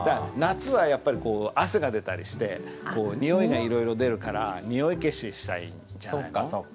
夏はやっぱりこう汗が出たりしてにおいがいろいろ出るからにおい消ししたいんじゃないの？